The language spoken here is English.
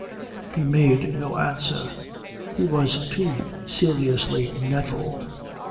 He made no answer. He was too seriously nettled.